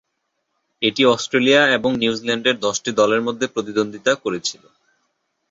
এটি অস্ট্রেলিয়া এবং নিউজিল্যান্ডের দশটি দলের মধ্যে প্রতিদ্বন্দ্বিতা করেছিল।